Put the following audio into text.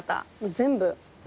全部。